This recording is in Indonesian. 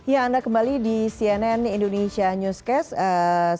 ya anda kembali di cnn indonesia newscast